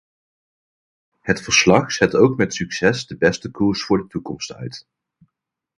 Het verslag zet ook met succes de beste koers voor de toekomst uit.